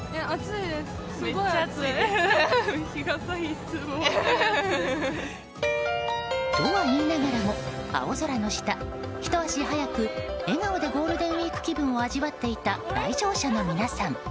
日傘必須。とは言いながらも青空の下ひと足早く、笑顔でゴールデンウィーク気分を味わっていた来場者の皆さん。